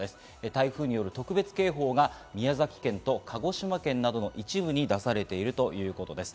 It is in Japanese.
台風による特別警報が宮崎県と鹿児島県などの一部に出されているということです。